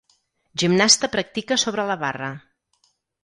Gimnasta practica sobre la barra